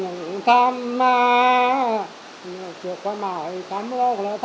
nội dung dựa theo các bài thơ câu chuyện cổ tích